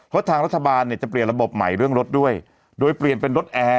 เพราะทางรัฐบาลเนี่ยจะเปลี่ยนระบบใหม่เรื่องรถด้วยโดยเปลี่ยนเป็นรถแอร์